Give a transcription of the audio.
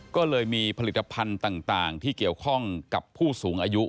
ก็เลยมีผลิตภัณฑ์ต่างที่เกี่ยวข้องกับผู้สูงอายุ